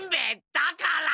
だから！